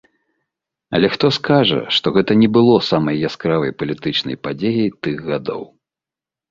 Але хто скажа, што гэта не было самай яскравай палітычнай падзеяй тых гадоў?